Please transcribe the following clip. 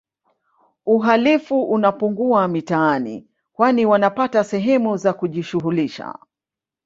Uhalifu unapungua mitaani kwani wanapata sehemu za kujishughulisha